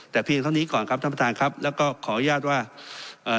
แต่เพียงเท่านี้ก่อนครับท่านประธานครับแล้วก็ขออนุญาตว่าเอ่อ